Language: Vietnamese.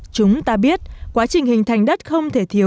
chúng ta biết quá trình hình thành đất không thể thiếu